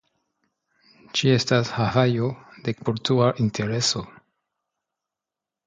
Ĝi estas Havaĵo de Kultura Intereso.